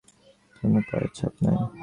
কোনো পায়ের ছাপ নেই।